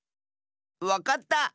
わかった！